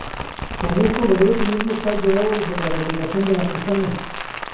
Con esto logró el primer metal dorado de la delegación veracruzana.